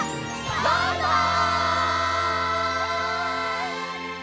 バイバイ！